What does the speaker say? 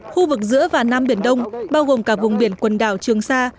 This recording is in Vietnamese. khu vực giữa và nam biển đông bao gồm cả vùng biển quần đảo trường sa